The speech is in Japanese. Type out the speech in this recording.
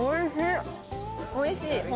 おいしい。